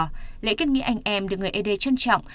sau đó lễ kết nghĩa anh em được người ấy đê trân trọng